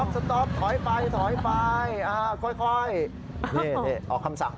สต๊อปถอยไปค่อยออกคำสั่ง